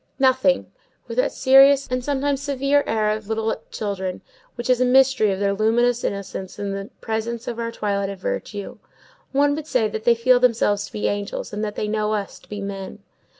Nothing; with that serious and sometimes severe air of little children, which is a mystery of their luminous innocence in the presence of our twilight of virtue. One would say that they feel themselves to be angels, and that they know us to be men.